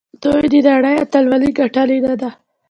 آیا دوی د نړۍ اتلولي ګټلې نه ده؟